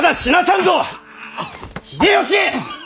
秀吉！